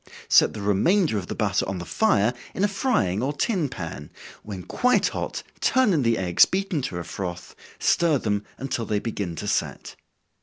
Set the remainder of the butter on the fire, in a frying or tin pan, when quite hot, turn in the eggs beaten to a froth, stir them until they begin to set.